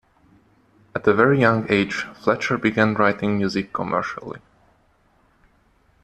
At a very young age, Fletcher began writing music commercially.